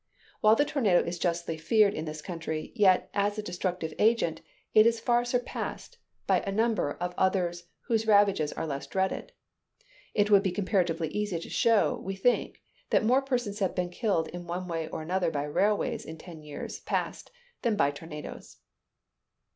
While the tornado is justly feared in this country, yet, as a destructive agent, it is far surpassed by a number of [Illustration: Instantaneous View of a Tornado.] others whose ravages are less dreaded. It would be comparatively easy to show, we think, that more persons have been killed in one way or another by railways in ten years past than by tornadoes.